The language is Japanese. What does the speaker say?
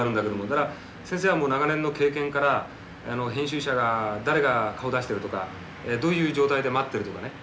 だから先生は長年の経験から編集者が誰が顔を出しているとかどういう状態で待ってるとかね。